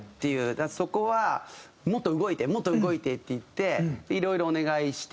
だからそこは「もっと動いてもっと動いて」って言っていろいろお願いして。